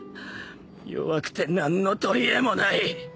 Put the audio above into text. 弱くて何の取りえもない。